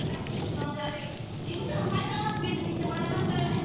そのかわり事務所の採算は別にしてもらいますからね！